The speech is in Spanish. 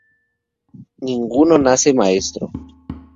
Ninguno nace maestro